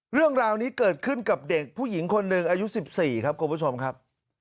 เรื่องราวนี้เกิดขึ้นกับเด็กผู้หญิงคนหนึ่งอายุ๑๔ครับคุณผู้ชมครับ